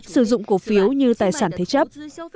sử dụng cổ phiếu như tài sản thế chấp